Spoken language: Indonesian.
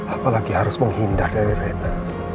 apalagi harus menghindar dari reda